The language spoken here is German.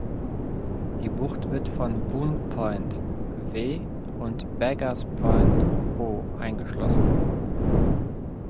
Die Bucht wird von "Boon Point" (W) und "Beggars Point" (O) eingeschlossen.